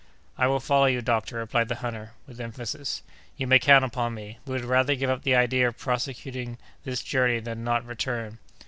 "I will follow you, doctor," replied the hunter, with emphasis. "You may count upon me! We would rather give up the idea of prosecuting this journey than not return.